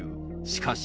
しかし。